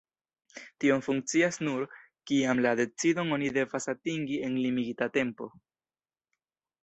Tio funkcias nur, kiam la decidon oni devas atingi en limigita tempo.